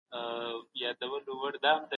زاني هم د جنایت په صورت کي مجازات کیږي.